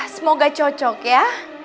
semoga cocok ya